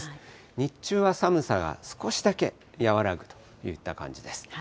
日中は寒さが少しだけ和らぐといった感じです。